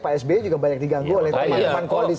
pak sby juga banyak diganggu oleh pan pan koalis